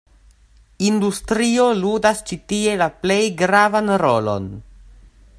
Industrio ludas ĉi tie la plej gravan rolon.